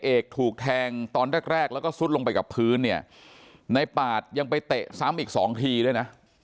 เอกถูกแทงตอนแรกแรกแล้วก็ซุดลงไปกับพื้นเนี่ยในปาดยังไปเตะซ้ำอีกสองทีด้วยนะ